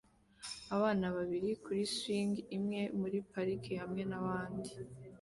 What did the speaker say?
Abana babiri kuri swing imwe muri parike hamwe nabandi bana